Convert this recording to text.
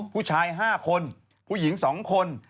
ผู้ชาย๕คนผู้หญิง๒คน